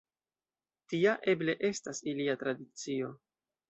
Tia, eble, estas ilia tradicio.